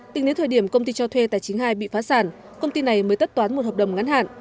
tính đến thời điểm công ty cho thuê tài chính hai bị phá sản công ty này mới tất toán một hợp đồng ngắn hạn